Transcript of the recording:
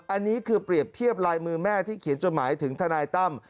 อันนี้คือเปรียบเทียบลายมือแม่ที่เขียนจดหมายถึงทนายตั้ม